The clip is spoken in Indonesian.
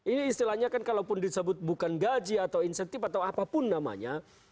ini istilahnya kan kalaupun disebut bukan gaji atau insentif atau apapun namanya